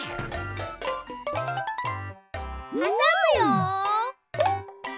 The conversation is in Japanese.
はさむよ！